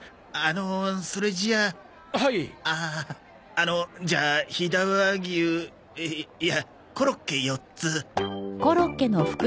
あのじゃあ飛騨和牛いやコロッケ４つ。